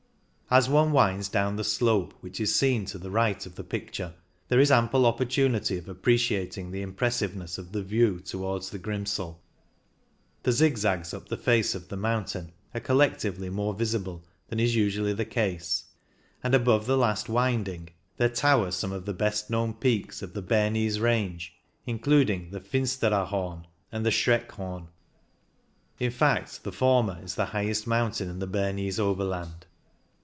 As one winds down the slope which is seen to the right of the picture there is ample opportunity of appreciating the impressiveness of the view towards the Grimsel. The zigzags up the face of the mountain are collectively more visible than is usually the case, and above the last winding there tower some of the best known peaks of the Bernese range, in cluding the Finsteraarhom and the Schreckhorn ; in fact, the former is the highest mountain in the Bernese Oberland.